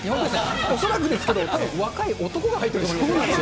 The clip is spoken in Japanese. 恐らくですけど、たぶん、若い男が入ってると思いますよ。